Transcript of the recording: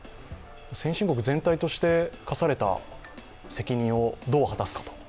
先進国全体として課された責任をどう果たすか。